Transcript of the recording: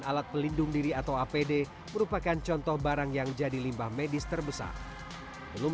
alat pelindung diri atau apd merupakan contoh barang yang jadi limbah medis terbesar belum